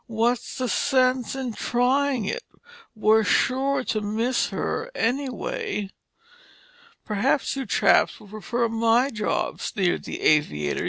What's the sense in trying it—we're sure to miss her, anyway." "Perhaps you chaps would prefer my job," sneered the aviator.